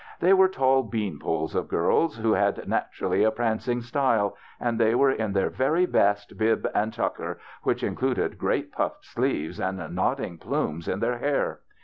They were tall bean poles of girls, who had naturally a prancing style, and they were in their very best bib and tucker, which included great puffed sleeves and nod ding plumes in their hair.